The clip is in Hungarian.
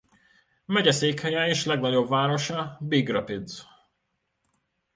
Megyeszékhelye és legnagyobb városa Big Rapids.